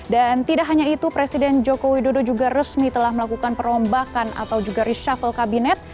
dan tidak hanya itu presiden joko widodo juga resmi telah melakukan perombakan atau juga reshuffle kabinet